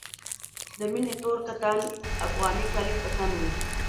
د مينې تور کتان افغاني کالي په تن وو.